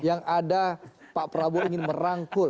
yang ada pak prabowo ingin merangkul